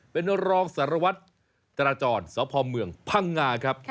เป็นรองสารวัตรจราจรสพเมืองพังงาครับ